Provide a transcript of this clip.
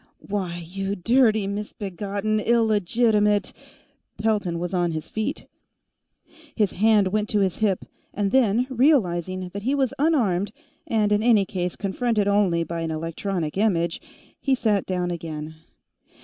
"Why, you dirty misbegotten illegitimate !" Pelton was on his feet. His hand went to his hip, and then, realizing that he was unarmed and, in any case, confronted only by an electronic image, he sat down again.